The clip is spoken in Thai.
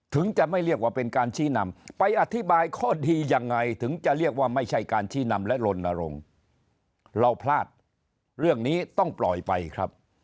ถึงจะไม่เรียกว่าเป็นการชี้นำไปอธิบายข้อดียังไงถึงจะเรียกว่าไม่ใช่การชี้นำและลนรงค์เราพลาดเรื่องนี้ต้องปล่อยไปครับ